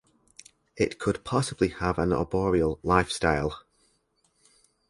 It could possibly have an arboreal lifestyle.